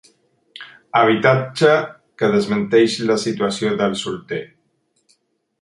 Habitatge que desmenteix la situació del solter.